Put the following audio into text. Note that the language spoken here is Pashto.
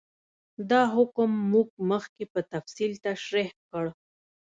دا حکم موږ مخکې په تفصیل تشرېح کړ.